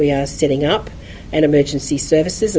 yang kita sediakan dan perusahaan kecemasan